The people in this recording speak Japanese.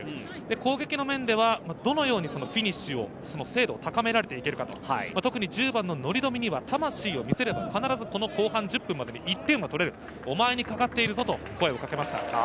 攻撃の面ではどのようにフィニッシュの精度を高めていけるか、１０番の乗冨には魂を見せれば１点は取れる、お前にかかっているぞと声をかけていました。